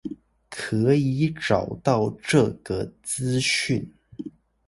可以找到這個資訊